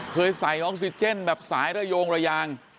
ใส่ออกซิเจนแบบสายระโยงระยาง